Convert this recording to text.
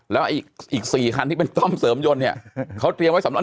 แล้วอีก๔คันที่เป็นต้อมเสริมยนต์เนี่ยเขาเตรียมไว้สำหรับ